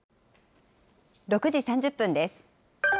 ６時３０分です。